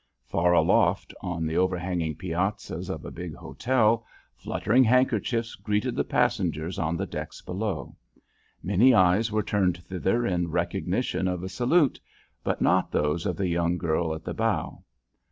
Far aloft on the overhanging piazzas of a big hotel, fluttering handkerchiefs greeted the passengers on the decks below. Many eyes were turned thither in recognition of the salute, but not those of the young girl at the bow.